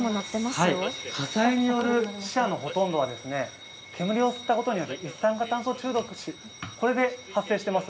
火災による死者のほとんどは煙を吸ったことによる一酸化炭素中毒死、これが発生しています。